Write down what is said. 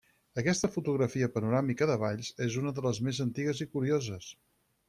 Aquesta fotografia panoràmica de Valls és una de les més antigues i curioses.